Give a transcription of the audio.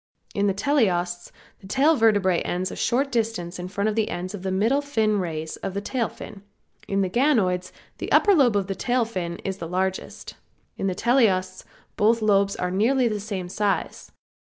In the teleosts the tail vertebrae ends a short distance in front of ends of the middle fin rays of the tail fin. In the ganoids the upper lobe of the tail fin is the largest. In the teleosts both lobes are nearly the same size.